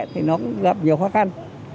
thì nó cũng gặp nhiều khó khăn